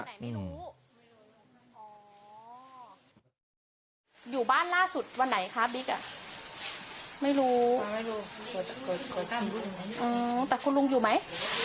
อยู่บ้านล่าสุดวันไหนคะบิ๊กอ่ะไม่รู้ไม่รู้อืมแต่คุณลุงอยู่ไหม